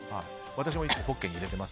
私も１つポッケに入れてます。